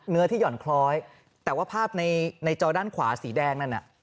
เนื้อที่หย่อนคล้อยแต่ว่าภาพในจอด้านขวาสีแดงนั่นน่ะ